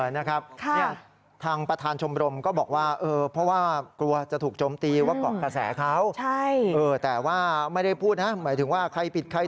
น่าครับทางประธานชมรมก็บอกว่าเพราะว่าไม่ได้พูดอธิบายถึงว่า